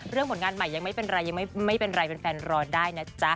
ผลงานใหม่ยังไม่เป็นไรยังไม่เป็นไรแฟนรอได้นะจ๊ะ